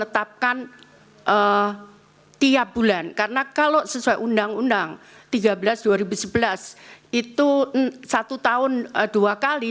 dan kalau satu tahun dua kali